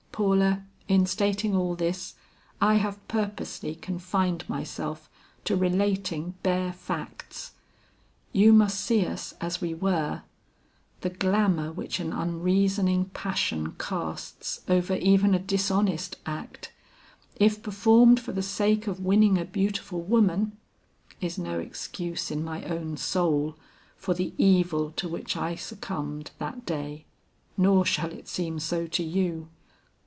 "Paula, in stating all this, I have purposely confined myself to relating bare facts. You must see us as we were. The glamour which an unreasoning passion casts over even a dishonest act, if performed for the sake of winning a beautiful woman, is no excuse in my own soul for the evil to which I succumbed that day, nor shall it seem so to you.